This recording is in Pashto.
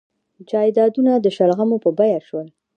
جایدادونه د شلغمو په بیه شول.